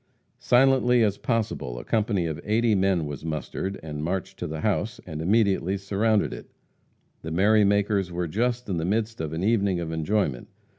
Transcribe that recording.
Silently as possible a company of eighty men was mustered, and marched to the house, and immediately surrounded it. The merry makers were just in the midst of an evening of enjoyment.